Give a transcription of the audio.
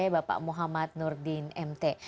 bapak muhammad nurdin mt